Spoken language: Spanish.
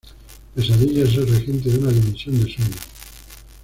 Pesadilla es el regente de una dimensión de sueño.